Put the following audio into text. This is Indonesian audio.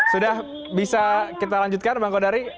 sudah bisa kita lanjutkan bang kodari